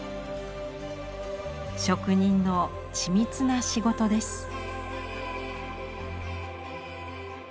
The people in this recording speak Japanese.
職人の緻密な仕事です。